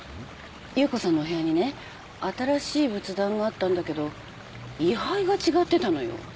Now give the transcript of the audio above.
夕子さんのお部屋にね新しい仏壇があったんだけど位牌が違ってたのよ。